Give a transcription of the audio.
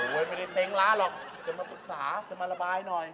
ไม่ได้เต็งร้านหรอกจะมาปรึกษาจะมาระบายหน่อย